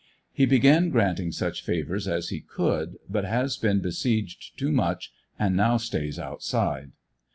He began granting such favors as he could, but has been besieged too much and now stays outside.